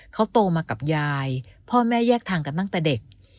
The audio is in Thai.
เขาโตมากับยายพ่อแม่แยกทางกันตั้งแต่เด็ก